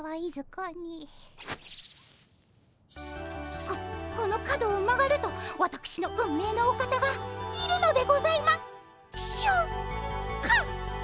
ここの角を曲がるとわたくしの運命のお方がいるのでございましょうか。